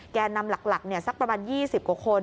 แก่นำหลักสักประมาณ๒๐กว่าคน